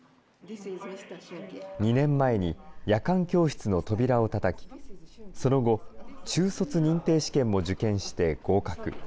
２年前に夜間教室の扉をたたき、その後、中卒認定試験も受験して合格。